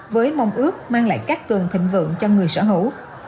với mong ước mang lại các cường thịnh vượng cho người sở hữu